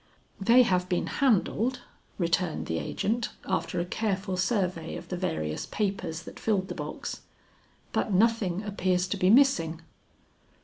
"They have been handled," returned the agent, after a careful survey of the various papers that filled the box, "but nothing appears to be missing."